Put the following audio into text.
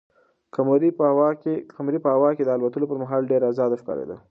قمرۍ په هوا کې د الوتلو پر مهال ډېره ازاده ښکارېده.